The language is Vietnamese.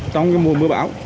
trong cái mùa mưa bão